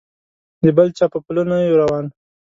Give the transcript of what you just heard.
د بل چا په پله نه یو روان.